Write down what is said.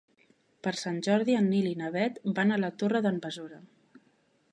Per Sant Jordi en Nil i na Bet van a la Torre d'en Besora.